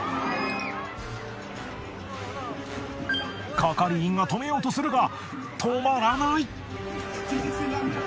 係員が止めようとするが止まらない！